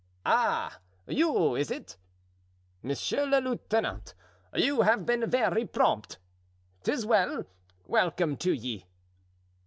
"Ah! you, is it? Monsieur le lieutenant, you have been very prompt. 'Tis well. Welcome to ye."